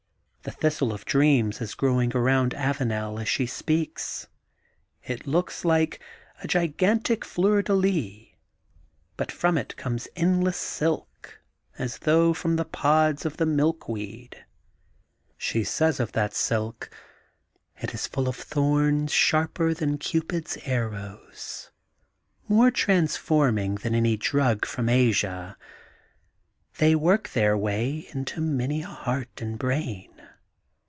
The Thistle of Dreams is growing around Avauel as she speaks. It looks like a gigantic fleur de lis, but from it comes endless silk as though from the pods of the milkweed. She says of that silk: It is full of thorns sharper than Cupid *s arrows, more transforming than any drug from Asia. They work their way to many a heart and brain.